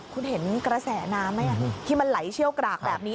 คุณเห็นกระแสน้ำไหมที่มันไหลเชี่ยวกรากแบบนี้